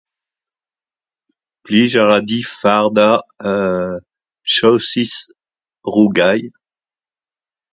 Plij a ra din fardañ saucisse rougail